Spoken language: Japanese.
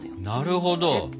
なるほど。